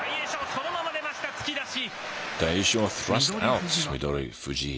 そのまま出ました、突き出し。